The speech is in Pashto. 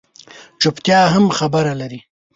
چُپتیا هم خبره لري